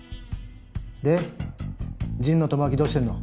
で神野智明どうしてんの？